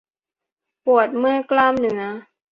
ปวดเมื่อยกล้ามเนื้อ